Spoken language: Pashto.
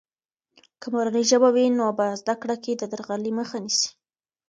که مورنۍ ژبه وي، نو په زده کړه کې د درغلي مخه نیسي.